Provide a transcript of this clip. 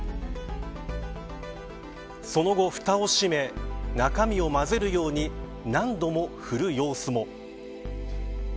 その後、ふたを閉め中身を混ぜるように何度も振る様子も。